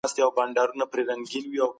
هیڅ استثنا د شکنجې لپاره شتون نلري.